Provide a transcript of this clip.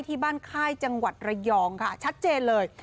ค่ายจังหวัดระยองค่ะชัดเจนเลย